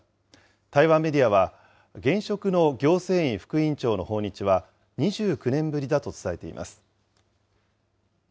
台湾メディアは、現職の行政院副院長の訪日は、２９年ぶりだと伝えています。